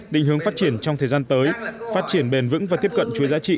định hướng phát triển trong thời gian tới phát triển bền vững và tiếp cận chuỗi giá trị